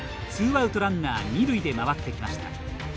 ツーアウト、ランナー、二塁で回ってきました。